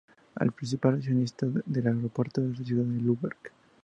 El principal accionista del aeropuerto es la ciudad de Lübeck.